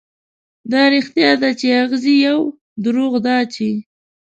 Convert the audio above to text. دا رښتيا ده، چې اغزي يو، دروغ دا چې